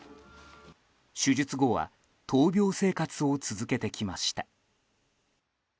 手術後は闘病生活を続けてきました。